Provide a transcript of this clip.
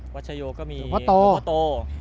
วัชโยก็มีวัตโต